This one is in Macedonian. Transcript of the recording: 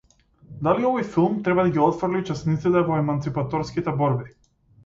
Дали овој филм треба да ги отфрли учесниците во еманципаторските борби?